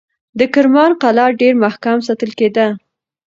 د کرمان قلعه ډېر محکم ساتل کېده.